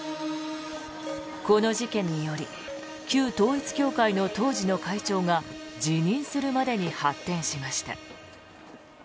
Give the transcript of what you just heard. この事件により旧統一教会の当時の会長が辞任するまでに発展しました。